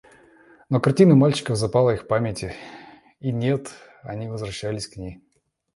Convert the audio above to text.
Но картина мальчиков запала в их памяти, и нет-нет они возвращались к ней.